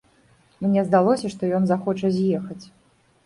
Мне здалося, што ён захоча з'ехаць.